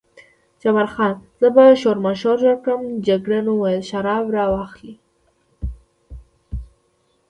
جبار خان: زه به شورماشور جوړ کړم، جګړن وویل شراب را واخلئ.